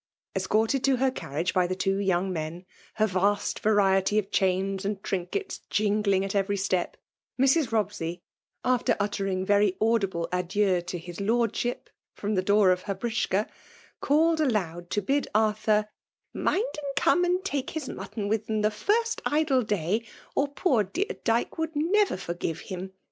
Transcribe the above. Escorted to her carriage by the two young men, her vast variety of chains and trinkets jingling at every step, Mrs. Robsey, after uttering very audible adieux to *'his Lord* ship " from the door of her britschka» called aloud to bid Arthur *' mind and come and take his mutton with them the first idle day, or poor dear Dyke would neVer forgive him.